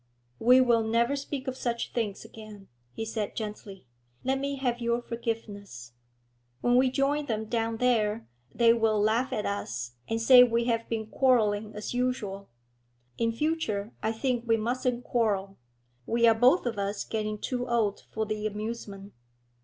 'We will never speak of such things again,' he said gently. 'Let me have your forgiveness. When we join them down there, they will laugh at us and say we have been quarrelling as usual; in future I think we mustn't quarrel, we are both of us getting too old for the amusement.